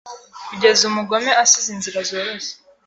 Kugeza umugome asize inzira zoroshye